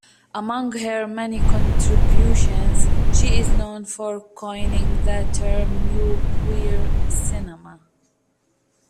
Among her many contributions, she is known for coining the term New Queer Cinema.